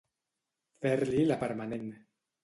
Fer-li la permanent.